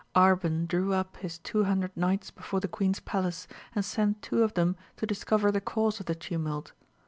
Arban drew up his two hundred knights before the queen's palace, and sent two of .them to discover the cause of the tumult.